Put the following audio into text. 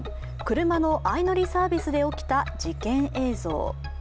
車の相乗りサービスで起きた事件映像。